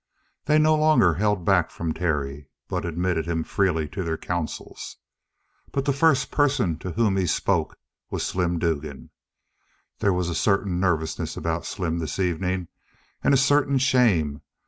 They no longer held back from Terry, but admitted him freely to their counsels. But the first person to whom he spoke was Slim Dugan. There was a certain nervousness about Slim this evening, and a certain shame.